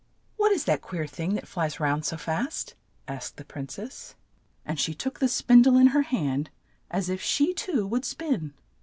"What is that queer thing that flies round so fast ?'' asked the prin cess, and she took the spin die in her hand as if she too would spin.